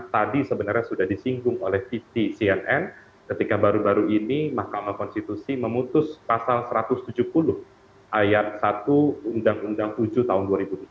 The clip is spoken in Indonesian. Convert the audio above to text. tadi sebenarnya sudah disinggung oleh tv cnn ketika baru baru ini mahkamah konstitusi memutus pasal satu ratus tujuh puluh ayat satu undang undang tujuh tahun dua ribu tujuh belas